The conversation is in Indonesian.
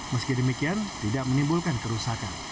meski demikian tidak menimbulkan kerusakan